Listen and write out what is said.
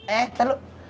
eh ntar lu